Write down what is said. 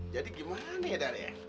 jadi gimana ya dar